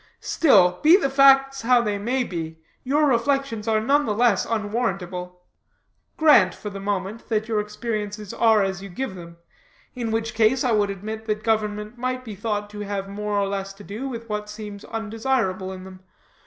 Still, be the facts how they may, your reflections are none the less unwarrantable. Grant, for the moment, that your experiences are as you give them; in which case I would admit that government might be thought to have more or less to do with what seems undesirable in them.